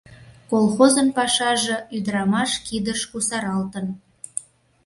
Колхозын пашаже ӱдырамаш кидыш кусаралтын.